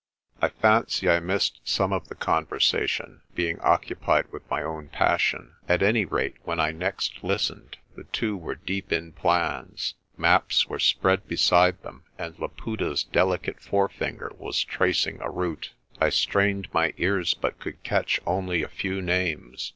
I fancy I missed some of the conversation, being occupied with my own passion. At any rate, when I next listened the two were deep in plans. Maps were spread beside them, and Laputa's delicate forefinger was tracing a route. I strained my ears but could catch only a few names.